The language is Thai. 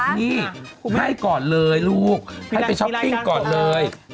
นี่ให้ก่อนเลยลูกให้ไปช้อปปิ้งก่อนเลย